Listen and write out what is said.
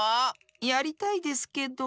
やりたいですけど。